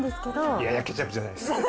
いやいや、ケチャップじゃないです。